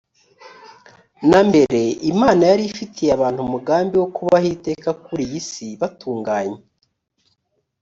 na mbere imana yari ifitiye abantu umugambi wo kubaho iteka kuri iyi si batunganye